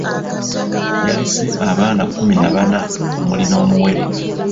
Yalese abaana kkumi na bana omuli n’omuwere.